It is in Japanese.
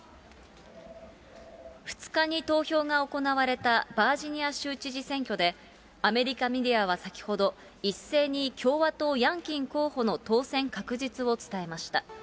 ２日に投票が行われたバージニア州知事選挙で、アメリカメディアは先ほど、一斉に共和党、ヤンキン候補の当選確実を伝えました。